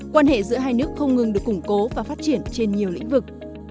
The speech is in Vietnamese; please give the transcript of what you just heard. quan hệ giữa hai nước không ngừng được củng cố và phát triển trên nhiều lĩnh vực